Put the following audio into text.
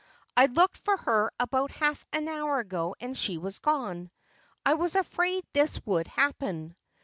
"I looked for her about half an hour ago and she was gone. I was afraid this would happen."